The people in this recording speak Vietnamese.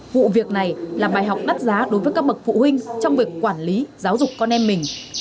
vụ việc này là bài học đắt giá đối với các bậc phụ huynh trong việc quản lý giáo dục con em mình